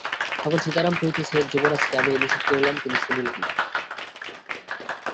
তখন সীতারাম কহিতেছে, যুবরাজকে আমি নিষেধ করিলাম, তিনি শুনিলেন না।